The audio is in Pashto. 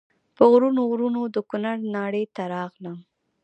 په غرونو غرونو د کونړ ناړۍ ته راغلم.